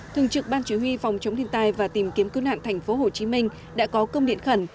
thường trực ban chỉ huy phòng chống thiên tai và tìm kiếm cứu nạn tp hcm đã có công điện khẩn